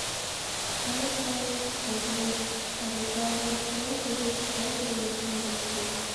كارىزلارنى قۇتۇلدۇرۇش، كارىزلارغا كۆڭۈل بۆلۈش ھەر بىرىمىزنىڭ بۇرچى!